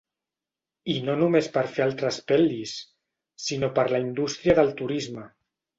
I no només per fer altres pel·lis, sinó per la indústria del turisme.